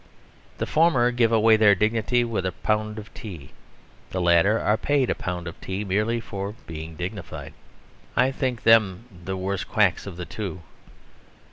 The former give away their dignity with a pound of tea; the latter are paid a pound of tea merely for being dignified. I think them the worse quacks of the two.